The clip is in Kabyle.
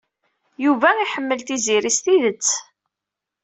Yuba iḥemmel Tiziri s tidet.